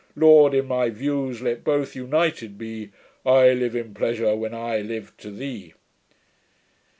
Lord, in my views let both united be; I live in PLEASURE, when I live to THEE."'